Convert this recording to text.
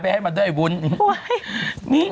ไม่เกี่ยวเลยสิ